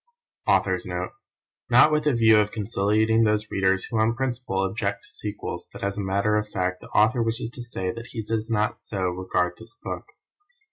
AUTHOR'S NOTE Not with a view of conciliating those readers who on principle object to sequels, but as a matter of fact, the Author wishes to say that he does not so regard this book.